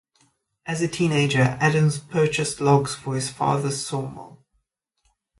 As a teenager Adams purchased logs for his father's sawmill.